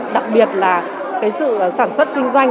đặc biệt là sự sản xuất kinh doanh